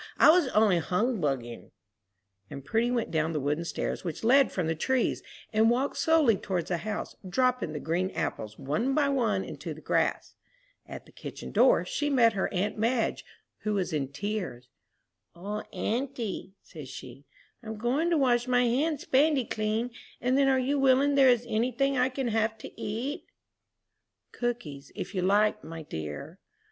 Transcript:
I was only hung buggin'." And Prudy went down the wooden stairs which led from the trees, and walked slowly towards the house, dropping the green apples one by one into the grass. At the kitchen door she met her aunt Madge, who was in tears. "O auntie," said she, "I'm going to wash my hands spandy clean, and then are you willing there is any thing I can have to eat?" "Cookies, if you like, my dear."